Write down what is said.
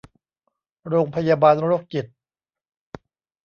โรงพยาบาลโรคจิต